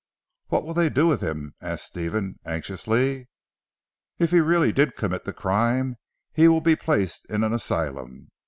"What will they do with him?" asked Stephen anxiously. "If he really did commit the crime, he will be placed in an asylum.